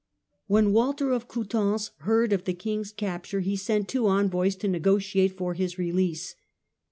When Walter of Coutances heard of the king^s capture he sent two envoys to negotiate for his release.